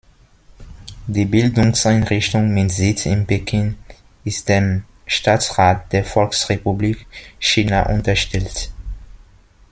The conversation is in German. Die Bildungseinrichtung mit Sitz in Peking ist dem Staatsrat der Volksrepublik China unterstellt.